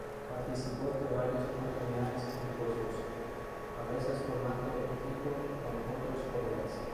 Participó de varias oportunidades en concursos, a veces formando equipo con otros colegas.